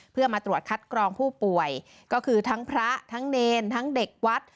เพื่อมาตรวจคัดกรองผู้ป่วยก็คือทั้งพระทั้งเนรทั้งเด็กวัด